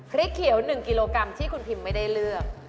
พริกเขียว๑กิโลกรัมที่คุณพิมไม่ได้เลือก